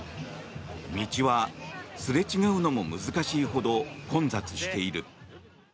道は、すれ違うのも難しいほど混雑している。